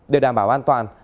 để đảm bảo an toàn